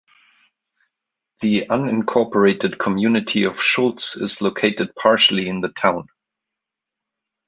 The unincorporated community of Schultz is located partially in the town.